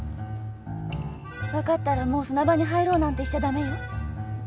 分かったらもう砂場に入ろうなんてしちゃ駄目よ。